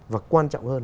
và quan trọng hơn